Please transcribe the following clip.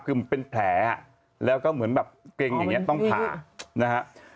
มันเป็นแผลแล้วก็เหมือนบับเกรงอย่างนี้ต้องผ่า